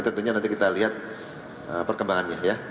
tentunya nanti kita lihat perkembangannya ya